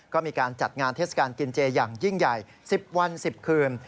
ก็มีการจัดงานเทศกาลกินเจอย่างยิ่งใหญ่๑๐วัน๑๐คืน